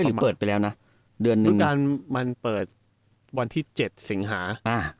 เอ้ยหรือเปิดไปแล้วนะเดือนหนึ่งรูปการณ์มันเปิดวันที่เจ็ดเสียงหาอ่า